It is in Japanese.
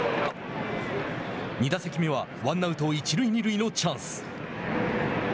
２打席目は、ワンアウト一塁二塁のチャンス。